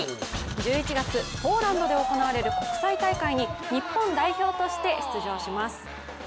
１１月、ポーランドで行われる国際大会に日本代表として出場します。